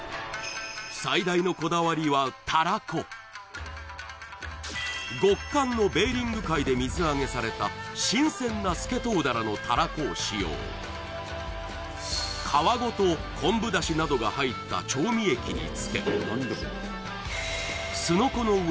最大のこだわりはたらこ極寒のベーリング海で水揚げされた新鮮なスケトウダラのたらこを使用皮ごと昆布出汁などが入った調味液に漬けすのこの